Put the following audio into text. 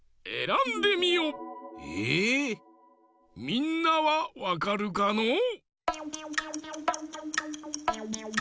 みんなはわかるかのう？